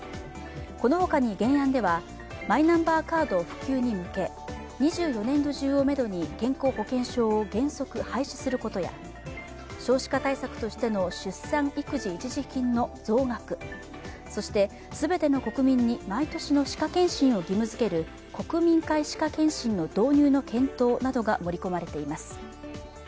この他に原案ではマイナンバーカード普及に向け２４年度中をめどに健康保険証を原則廃止することや少子化対策としての出産育児一時金の増額、そして、全ての国民に毎年の歯科検診を義務づける国民皆歯科検診の導入の検討などが盛り込まれています。